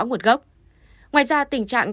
nguồn gốc ngoài ra tình trạng